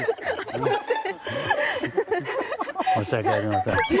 すみません。